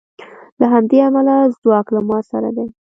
له همدې امله ځواک له ما سره دی